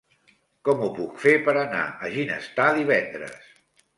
Com ho puc fer per anar a Ginestar divendres?